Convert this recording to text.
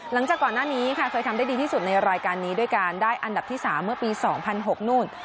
หลังจากก่อนหน้านี้ค่ะเคยทำได้ดีที่สุดในรายการนี้ด้วยการได้อันดับที่๓เมื่อปี๒๐๐๖นู่น